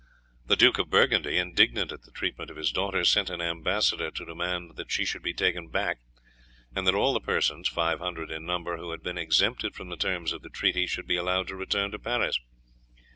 The Duke of Burgundy, indignant at the treatment of his daughter, sent an ambassador to demand that she should be taken back, and that all the persons, five hundred in number, who had been exempted from the terms of the treaty, should be allowed to return to Paris.